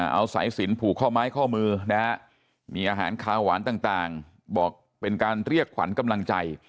เอาสายสินผูกข้อไม้ข้อมือนะฮะมีอาหารคาวหวานต่างบอกเป็นการเรียกขวัญกำลังใจ